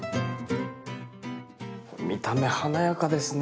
見た目華やかですね。